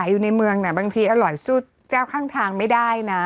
อยู่ในเมืองบางทีอร่อยสู้เจ้าข้างทางไม่ได้นะ